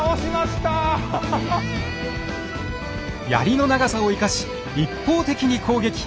槍の長さを生かし一方的に攻撃。